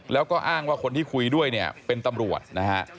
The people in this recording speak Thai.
แล้วก็อ้างว่าคนที่คุยด้วยเนี่ยเป็นตำรวจนะฮะ